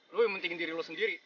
lo yang pentingin diri lo sendiri